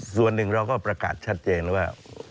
ส่วนหนึ่งเราก็ประกาศชัดเจนแล้วว่า